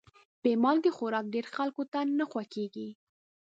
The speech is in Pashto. بې مالګې خوراک ډېرو خلکو ته نه خوښېږي.